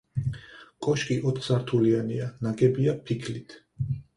კოშკი ოთხსართულიანია, ნაგებია ფიქლით.